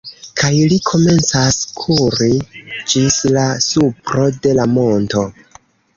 Kaj li komencas kuri ĝis la supro de la monto.